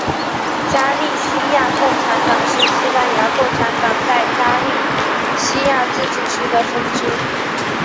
加利西亚共产党是西班牙共产党在加利西亚自治区的分支。